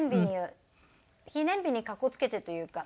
記念日にかこつけてというか。